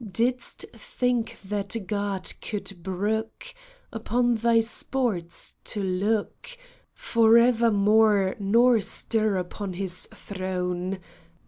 Didst think that God could brook Upon thy sports to look Forevermore nor stir upon His throne